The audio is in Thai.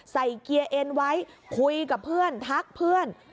เกียร์เอ็นไว้คุยกับเพื่อนทักเพื่อน